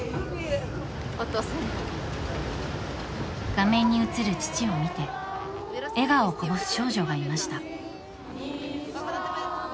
画面に映る父を見て笑顔をこぼす少女がいました。